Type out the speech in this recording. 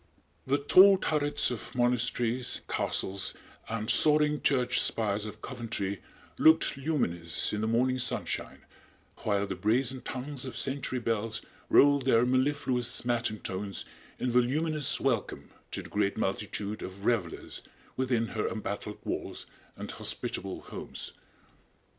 The tall turrets of monasteries, castles and soaring church spires of Coventry looked luminous in the morning sunshine, while the brazen tongues of century bells rolled their mellifluous matin tones in voluminous welcome to the great multitude of revelers within her embattled walls and hospitable homes.